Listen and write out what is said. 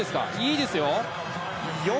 いいですよ。